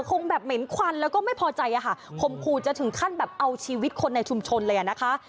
คงแบบเหม็นควันแล้วก็ไม่พอใจอะค่ะข่มขู่จะถึงขั้นแบบเอาชีวิตคนในชุมชนเลยอ่ะนะคะ